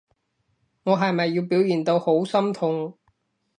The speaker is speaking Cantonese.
我係咪要表現到好心痛？